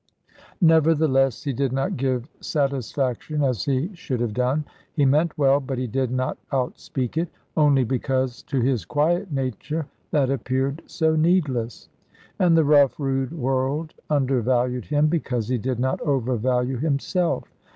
Nevertheless he did not give satisfaction as he should have done. He meant well, but he did not outspeak it; only because to his quiet nature that appeared so needless. And the rough, rude world undervalued him, because he did not overvalue himself.